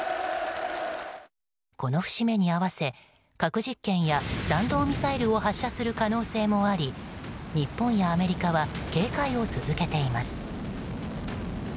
この節目に合わせ核実験や弾道ミサイルを発射する可能性もあり、日本やアメリカは警戒を続けています。